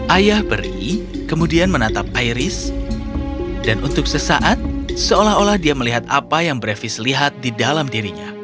ayah peri kemudian menatap iris dan untuk sesaat seolah olah dia melihat apa yang brevis lihat di dalam dirinya